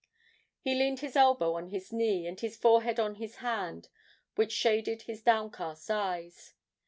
He leaned his elbow on his knee, and his forehead on his hand, which shaded his downcast eyes.